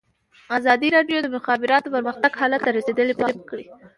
ازادي راډیو د د مخابراتو پرمختګ حالت ته رسېدلي پام کړی.